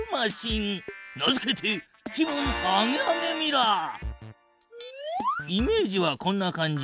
名付けてイメージはこんな感じ。